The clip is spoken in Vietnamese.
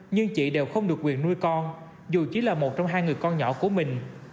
nhưng chị đều không được quyền nuôi con dù chỉ là một trong hai người con nhỏ của mình